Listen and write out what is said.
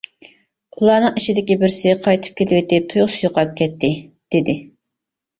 ئۇلارنىڭ ئىچىدىكى بىرسى قايتىپ كېلىۋېتىپ تۇيۇقسىز يوقاپ كەتتى، دېدى.